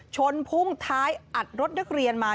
พุ่งท้ายอัดรถนักเรียนมา